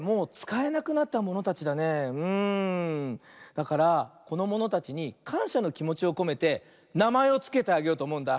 だからこのものたちにかんしゃのきもちをこめてなまえをつけてあげようとおもうんだ。